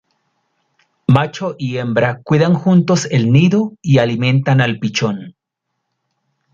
Macho y hembra cuidan juntos el nido y alimentan al pichón.